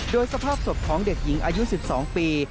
โดยสภาพศพของเด็กหญิงอายุ๑๒ปี